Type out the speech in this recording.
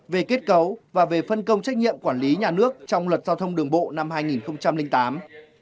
về kết cấu và về phân công trách nhiệm quản lý nhà nước trong luật giao thông đường bộ năm hai nghìn tám